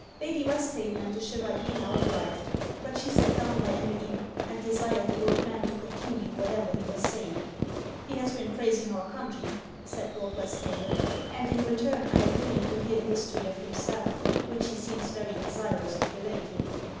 Lady Westhaven and the Chevalier now arrived: but she sat down by Emmeline, and desired the old man to continue whatever he was saying. 'He has been praising our country,' said Lord Westhaven, 'and in return I am willing to hear the history of himself, which he seems very desirous of relating.'